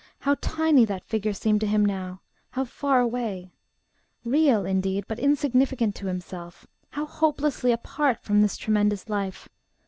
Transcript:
how tiny that Figure seemed to him now how far away real indeed, but insignificant to himself how hopelessly apart from this tremendous life!